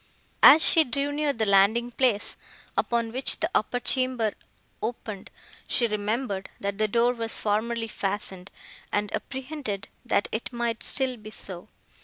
As she drew near the landing place, upon which the upper chamber opened, she remembered, that the door was formerly fastened, and apprehended, that it might still be so.